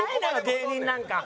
芸人なんか。